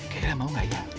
kayaknya mau gak ya